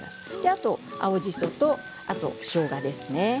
あとは青じそと、しょうがです。